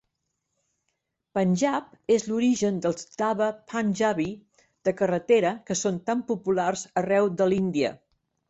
Panjab és l'origen dels dhaba panjabi de carretera, que són tan populars arreu de l'Índia.